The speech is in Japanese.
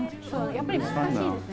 やっぱり難しいですね。